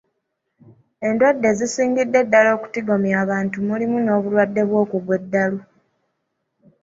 Endwadde ezisingidde ddala okutigomya abantu mulimu n'obulwadde bw'okugwa eddalu.